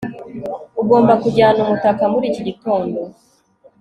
ugomba kujyana umutaka muri iki gitondo